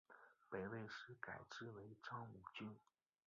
北魏时改置为章武郡。